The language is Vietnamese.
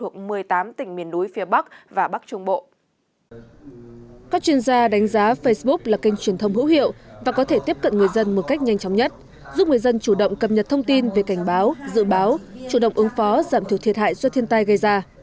các chuyên gia đánh giá facebook là kênh truyền thông hữu hiệu và có thể tiếp cận người dân một cách nhanh chóng nhất giúp người dân chủ động cập nhật thông tin về cảnh báo dự báo chủ động ứng phó giảm thiểu thiệt hại do thiên tai gây ra